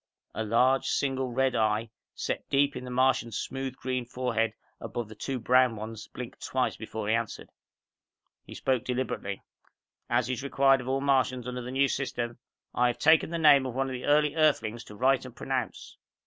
The large, single red eye set deep in the Martian's smooth, green forehead above the two brown ones blinked twice before he answered. He spoke deliberately. "As is required of all Martians under the New System, I have taken the name of one of the early Earthlings to write and pronounce."